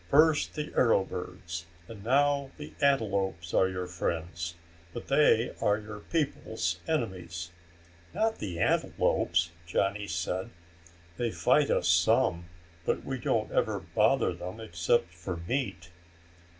First the arrow birds and now the antelopes are your friends. But they are your people's enemies." "Not the antelopes!" Johnny said. "They fight us some, but we don't ever bother them except for meat."